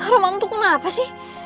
roman untuk kenapa sih